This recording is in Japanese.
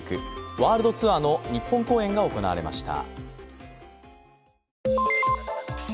ワールドツアーの日本公演が行われました。